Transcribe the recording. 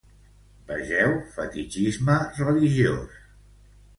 Vegeu fetitxisme religiós.